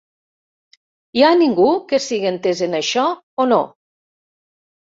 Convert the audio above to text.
Hi ha ningú que sigui entès en això o no?